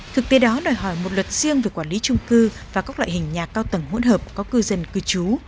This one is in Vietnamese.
thực tế đó đòi hỏi một luật riêng về quản lý trung cư và các loại hình nhà cao tầng hỗn hợp có cư dân cư trú